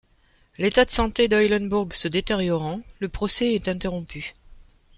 L’état de santé d’Eulenburg se détériorant, le procès est interrompu.